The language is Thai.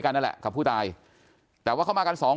อยู่ดีมาตายแบบเปลือยคาห้องน้ำได้ยังไง